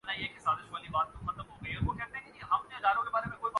صرف soup, juice, اور دیگر سیال اشیاء کا استعمال جاری رکھیں